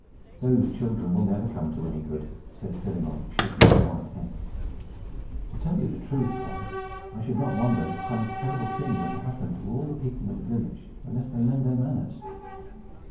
"Those children will never come to any good," said Philemon, shaking his white head. "To tell you the truth, wife, I should not wonder if some terrible thing were to happen to all the people in the village unless they mend their manners.